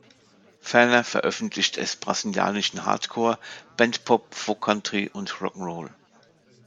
Ferner veröffentlicht es brasilianischen Hardcore, Bent Pop, Faux Country und Rock ’n’ Roll.